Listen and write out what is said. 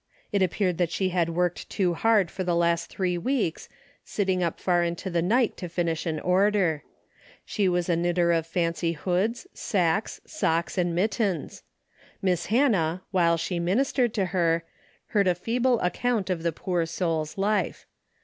It appeared that she had worked too hard for the last three Aveeks, sitting up far into the night to finish an order. She Avas a knitter of fancy hoods, sacques, socks and mit tens. Miss Hannah, Avhile she ministered to her, heard a feeble account of the poor soul's life.